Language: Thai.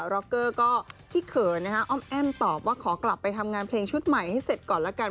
ร็อกเกอร์ก็ขี้เขินนะคะอ้อมแอ้มตอบว่าขอกลับไปทำงานเพลงชุดใหม่ให้เสร็จก่อนละกัน